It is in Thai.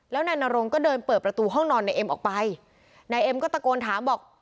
แล้วนายนรงก็เดินเปิดประตูห้องนอนนายเอ็มออกไปนายเอ็มก็ตะโกนถามบอก